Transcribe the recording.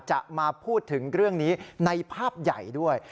จะมาพูดถึงเรื่องนี้ในภาพใหญ่ด้วย